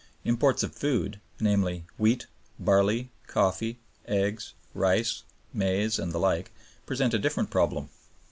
Imports of food, namely, wheat, barley, coffee, eggs, rice, maize, and the like, present a different problem.